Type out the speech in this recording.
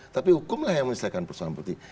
tapi hukumlah yang menyelesaikan persoalan politik